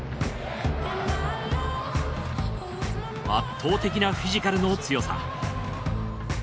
圧倒的なフィジカルの強さ。